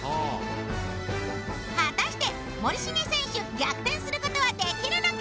果たして森重選手逆転することはできるのか！？